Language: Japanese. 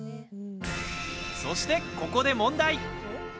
そして、ここで問題！